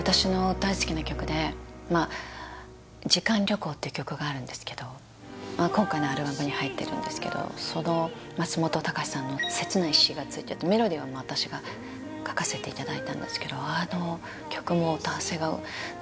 あとって曲があるんですけど今回のアルバムに入ってるんですけどその松本隆さんの切ない詞がついててメロディーは私が書かせていただいたんですけどあの曲もへえ考えますね